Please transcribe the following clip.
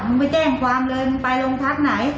มึงไปแจ้งความเลยมึงไปโรงพักไหน